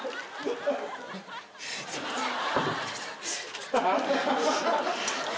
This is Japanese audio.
すいません。